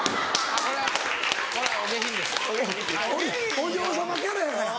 お嬢様キャラやから。